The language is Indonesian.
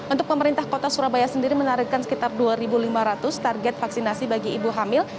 untuk pemerintah kota surabaya sendiri menarikkan sekitar dua lima ratus target vaksinasi bagi ibu hamil